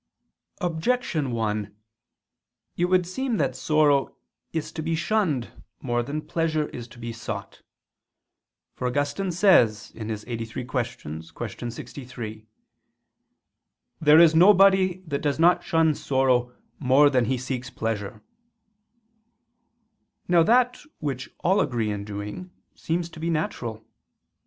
Objection 1: It would seem that sorrow is to be shunned more than pleasure is to be sought. For Augustine says (QQ. 83, qu. 63): "There is nobody that does not shun sorrow more than he seeks pleasure." Now that which all agree in doing, seems to be natural.